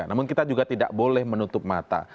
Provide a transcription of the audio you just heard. namun kita juga tidak boleh menutup mata